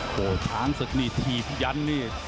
โหท้านศึกทีปยันนี้